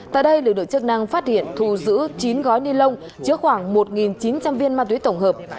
tại đây lực lượng chức năng phát hiện thu giữ chín gói ni lông chứa khoảng một chín trăm linh viên ma túy tổng hợp